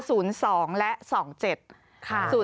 คือ๐๒และ๒๗